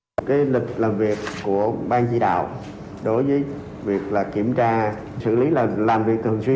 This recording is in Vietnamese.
huy động các lực lực làm việc của bang di đạo đối với việc kiểm tra xử lý làm việc thường xuyên